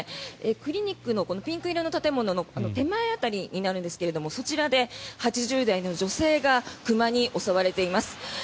クリニックのピンク色の建物の手前辺りになるんですがそちらで８０代の女性が熊に襲われています。